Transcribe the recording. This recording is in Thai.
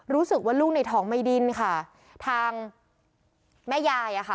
รู้สึกว่าลูกในท้องไม่ดิ้นค่ะทางแม่ยายอ่ะค่ะ